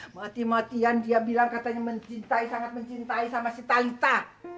mati matian dia bilang katanya mencintai sangat mencintai sama si talita